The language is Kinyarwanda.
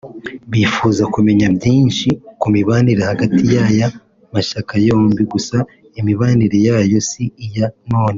bifuza kumenya byinshi ku mibanire hagati y’aya mashyaka yombi; gusa imibanire yayo si iya none